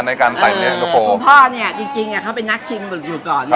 ในการใส่เย็นเตอร์โฟคุณพ่อเนี้ยจริงจริงอ่ะเขาไปนักชิมอยู่อยู่ก่อนนะฮะ